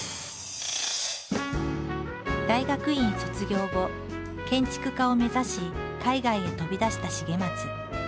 大学院卒業後建築家を目指し海外へ飛び出した重松。